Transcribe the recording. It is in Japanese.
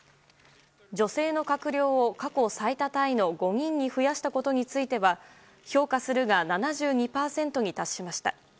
女性の閣僚を過去最多タイの５人に増やしたことについては評価するが７２％に達しました。